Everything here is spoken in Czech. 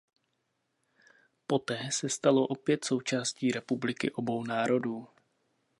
Poté se stalo opět součástí Republiky obou národů.